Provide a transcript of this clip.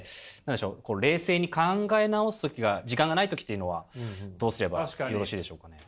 冷静に考え直す時が時間がない時っていうのはどうすればよろしいでしょうかね？